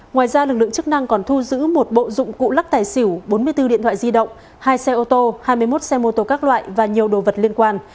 ngoài ra lực lượng chức năng còn thu giữ một bộ dụng cụ lắc tài xỉu bốn mươi bốn điện thoại di động hai xe ô tô hai mươi một xe mô tô các loại và nhiều đồ vật liên quan